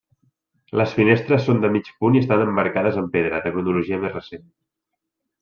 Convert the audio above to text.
Les finestres són de mig punt i estan emmarcades en pedra, de cronologia més recent.